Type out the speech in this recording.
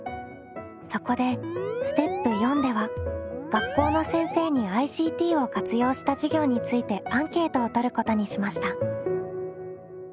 そこでステップ４では学校の先生にＩＣＴを活用した授業についてアンケートをとることにしました。